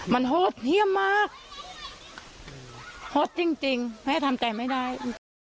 มันโหดเยี่ยมมากโหดจริงจริงไม่ได้ทำแต่ไม่ได้